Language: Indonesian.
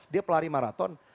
dia pelari maraton